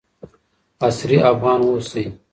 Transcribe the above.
عصري افغان اوسئ.